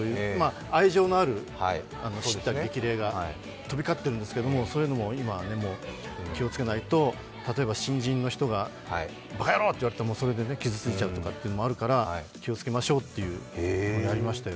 愛情のあるしった激励が飛び交っているんですけれども、そういうのも今、気をつけないと例えば新人の人がばか野郎と言われてそれで傷ついちゃうのもあるから気をつけましょうというのをやりましたよ。